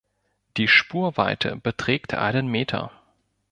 Die Spurweite beträgt einen Meter.